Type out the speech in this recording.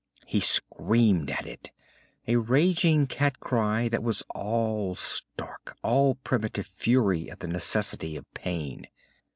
He screamed at it, a raging cat cry that was all Stark, all primitive fury at the necessity of pain.